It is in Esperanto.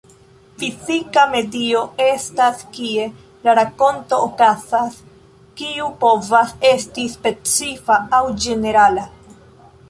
Fizika medio estas kie la rakonto okazas, kiu povas esti specifa aŭ ĝenerala.